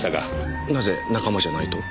なぜ仲間じゃないと？